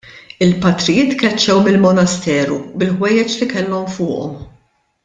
Il-patrijiet tkeċċew mill-monasteru bil-ħwejjeġ li kellhom fuqhom.